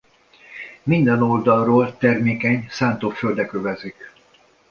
Minden oldalról termékeny szántóföldek övezik.